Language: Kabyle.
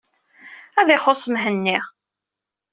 Ad ixuṣ Mhenni.